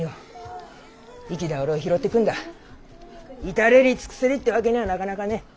至れり尽くせりってわけにゃあなかなかね。